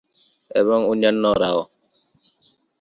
এবং অন্যান্যরা।